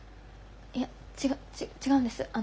いやちが違うんです。